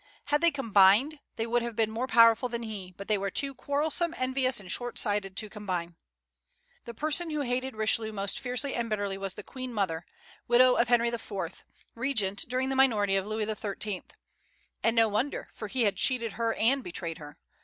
Had they combined, they would have been more powerful than he; but they were too quarrelsome, envious, and short sighted to combine. The person who hated Richelieu most fiercely and bitterly was the Queen mother, widow of Henry IV., regent during the minority of Louis XIII. And no wonder, for he had cheated her and betrayed her.